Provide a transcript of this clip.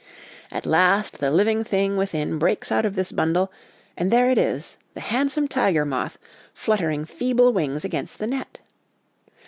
At last the living thing within breaks out of this bundle, and there it is, the handsome tiger moth, fluttering feeble wings against the net.